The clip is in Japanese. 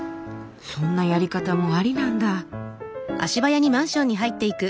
そんなやり方もありなんだ。